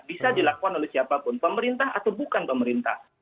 bisa dilakukan oleh siapapun pemerintah atau bukan pemerintah